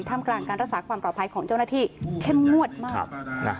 ท่ามการการรักษาความปลอดภัยของเจ้าหน้าที่เค็มมวดมากครับครับ